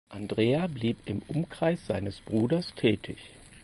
Andrea blieb im Umkreis seines Bruders tätig.